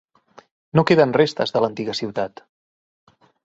No queden restes de l'antiga ciutat.